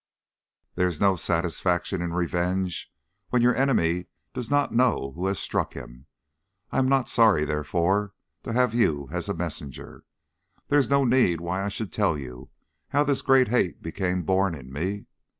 There is no satisfaction in revenge when your enemy does not know who has struck him. I am not sorry, therefore, to have you as a messenger. There is no need why I should tell you how this great hate became born in me.